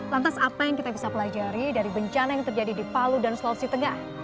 lantas apa yang kita bisa pelajari dari bencana yang terjadi di palu dan sulawesi tengah